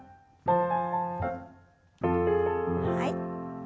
はい。